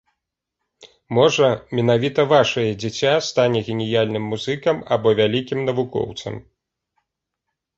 Можа, менавіта вашае дзіця стане геніяльным музыкам або вялікім навукоўцам.